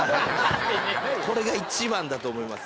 これが一番だと思います